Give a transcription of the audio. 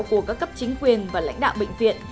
của các cấp chính quyền và lãnh đạo bệnh viện